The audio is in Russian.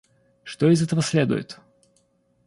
Что из этого следует?